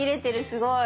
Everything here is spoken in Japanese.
すごい。